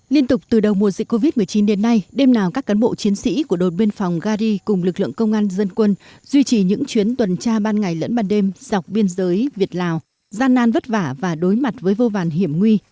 liên tục từ đầu mùa dịch covid một mươi chín đến nay đêm nào các cán bộ chiến sĩ của đồn biên phòng gari cùng lực lượng công an dân quân duy trì những chuyến tuần tra ban ngày lẫn ban đêm dọc biên giới việt lào gian nan vất vả và đối mặt với vô vàn hiểm nguy